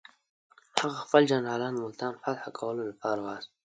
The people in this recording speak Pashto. هغه خپل جنرالان ملتان فتح کولو لپاره واستول.